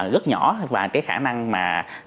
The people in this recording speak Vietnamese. rất nhỏ và cái khả năng mà